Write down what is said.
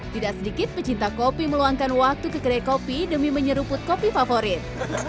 tidak sedikit pecinta kopi meluangkan waktu ke kedai kopi demi menyeruput kopi favorit